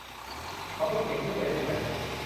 ขับรถเก๋งขึ้นไปได้ไหม